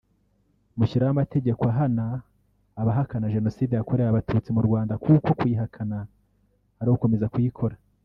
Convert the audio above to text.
mushyiraho amategeko ahana abahakana Jenoside yakorewe Abatutsi mu Rwanda kuko kuyihakana ari ugukomeza kuyikora